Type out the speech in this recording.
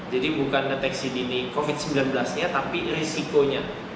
jadi bukan deteksi dini covid sembilan belas nya tapi risikonya